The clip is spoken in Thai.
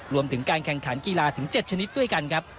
รวมถึงการแข่งขันกีฬาถึง๗ชนิดด้วยกันครับ